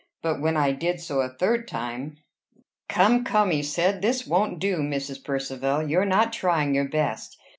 But when I did so a third time, "Come! come!" he said: "this won't do, Mrs. Percivale. You're not trying your best.